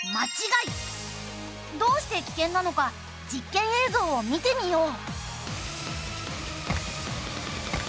どうして危険なのか実験映像を見てみよう。